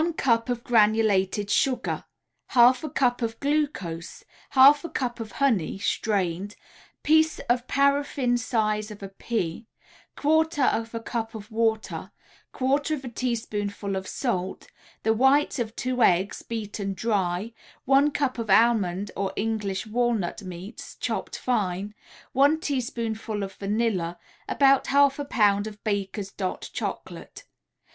] 1 cup of granulated sugar, 1/2 a cup of glucose, 1/2 a cup of honey (strained), Piece of paraffine size of a pea, 1/4 a cup of water, 1/4 a teaspoonful of salt, The whites of 2 eggs, beaten dry, 1 cup of almond or English walnut meats, chopped fine, 1 teaspoonful of vanilla, About 1/2 a pound of Baker's "Dot" Chocolate.